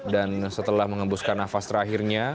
dan setelah mengembuskan nafas terakhirnya